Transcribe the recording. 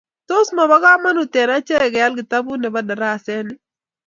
tos pokamanut eng achee keal kitaput nepo daraset ni